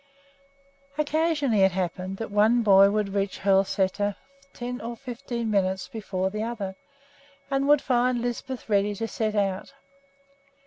Occasionally it happened that one boy would reach Hoel Sæter ten or fifteen minutes before the other and would find Lisbeth ready to set out.